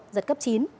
giật cấp chín